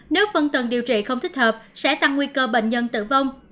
nếu phân tầng điều trị không thích hợp sẽ tăng nguy cơ bệnh nhân tử vong